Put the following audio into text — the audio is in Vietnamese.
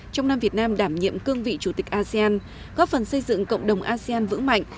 trong năm việt nam đảm nhiệm cương vị chủ tịch asean góp phần xây dựng cộng đồng asean vững mạnh